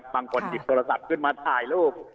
หยิบโทรศัพท์ขึ้นมาถ่ายรูป